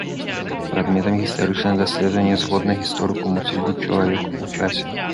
Прадметам гістарычнага даследвання згодна гісторыку мусіць быць чалавек у часе.